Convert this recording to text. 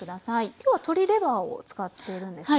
今日は鶏レバーを使っているんですね。